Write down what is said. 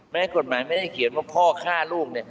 กฎหมายไม่ได้เขียนว่าพ่อฆ่าลูก